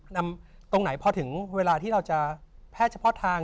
ตรงไหนพอถึงเวลาที่เราจะแพทย์เฉพาะทาง